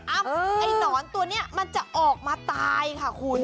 ไอ้หนอนตัวนี้มันจะออกมาตายค่ะคุณ